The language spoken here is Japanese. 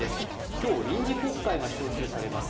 今日、臨時国会が召集されます。